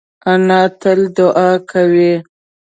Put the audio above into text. انا تل دعا کوي